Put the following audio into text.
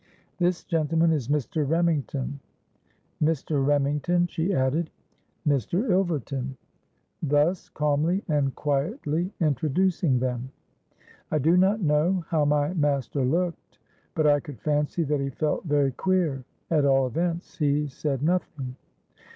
This gentleman is Mr. Remington. Mr. Remington,' she added, 'Mr. Ilverton:' thus calmly and quietly introducing them.—I do not know how my master looked, but I could fancy that he felt very queer: at all events, he said nothing.